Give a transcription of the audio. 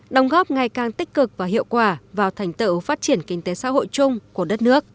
đồng góp ngày càng tích cực và hiệu quả vào thành tựu phát triển kinh tế xã hội chung của đất nước